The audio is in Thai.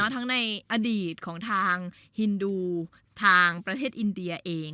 ทั้งในอดีตของทางฮินดูทางประเทศอินเดียเอง